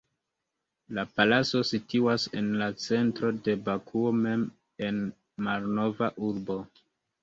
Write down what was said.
La palaco situas en la centro de Bakuo mem en Malnova urbo.